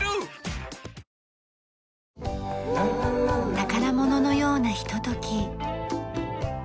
宝物のようなひととき。